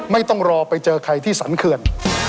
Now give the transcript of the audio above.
ไม่ต้องรอไปเจอใครที่สรรเขื่อน